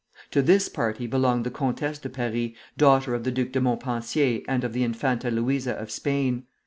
To this party belonged the Comtesse de Paris, daughter of the Duc de Montpensier and of the Infanta Luisa of Spain.